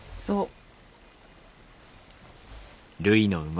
そう。